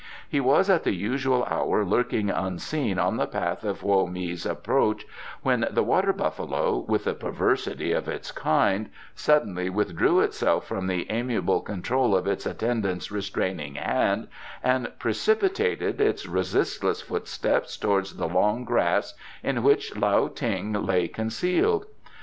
He was, at the usual hour, lurking unseen on the path of Hoa mi's approach when the water buffalo, with the perversity of its kind, suddenly withdrew itself from the amiable control of its attendant's restraining hand and precipitated its resistless footsteps towards the long grass in which Lao Ting lay concealed.